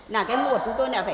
là cái mổ của chúng tôi đã phải